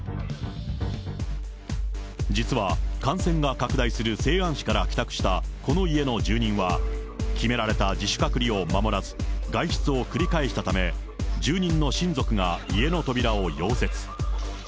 実は、感染が拡大する西安市から帰宅したこの家の住人は、決められた自主隔離を守らず、外出を繰り返したため、住人の親族が家の扉を溶接。